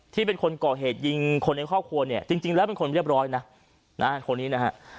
เป็นคนก่อเหตุยิงคนในครอบครัวเนี่ยจริงแล้วเป็นคนเรียบร้อยนะคนนี้นะฮะ